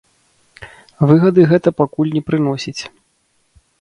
Выгады гэта пакуль не прыносіць.